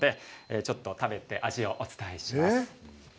ちょっと食べて味をお伝えします。